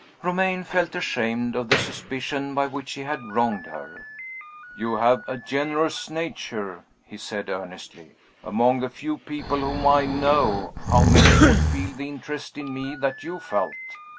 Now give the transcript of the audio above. Romayne felt ashamed of the suspicion by which he had wronged her. "You have a generous nature," he said earnestly. "Among the few people whom I know, how many would feel the interest in me that you felt?"